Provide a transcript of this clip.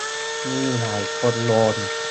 มีหลายคนโดน